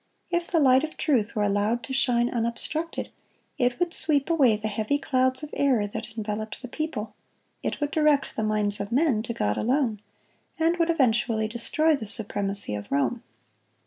If the light of truth were allowed to shine unobstructed, it would sweep away the heavy clouds of error that enveloped the people; it would direct the minds of men to God alone, and would eventually destroy the supremacy of Rome.